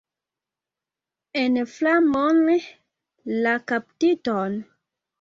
En flamon la kaptiton!